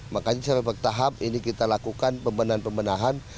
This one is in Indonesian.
makanya secara bertahap ini kita lakukan pembenahan pembenahan